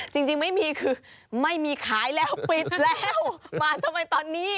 จริงไม่มีคือไม่มีขายแล้วปิดแล้วมาทำไมตอนนี้